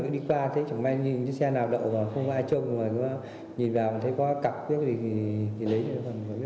đi qua thấy chẳng may như chiếc xe nào đậu mà không có ai chông nhìn vào thấy có cặp gì thì lấy cho con không biết con trong có gì